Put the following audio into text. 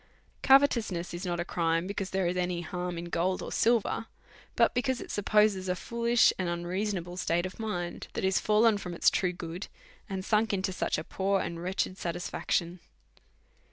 Covetousness is not a crime, because there is any harm in gold or silver, but because it supposes a fool ish and unreasonable state of mind, that is fallen from its true good, and sunk into such a poor and wretched satisfaction.